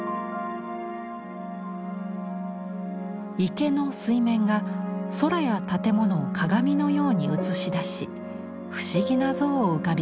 池の水面が空や建物を鏡のように映し出し不思議な像を浮かび上がらせます。